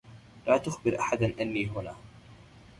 لا تخبر أحدأ أنّي هنا.